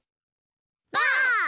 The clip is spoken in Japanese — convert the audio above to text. ばあっ！